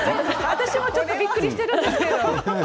私もちょっとびっくりしているんですけれど。